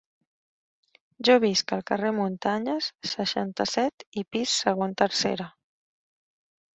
Jo visc al carrer Muntanyes seixanta-set i pis segon tercera.